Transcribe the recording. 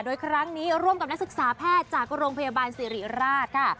โดยครั้งนี้ร่วมกับนักศึกษาแพทย์จากโรงพยาบาลสิริราชค่ะ